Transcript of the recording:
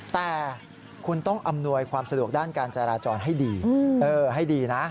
แต่คุณต้องอำนวยความสะดวกด้านการจราจรให้ดีให้ดีนะ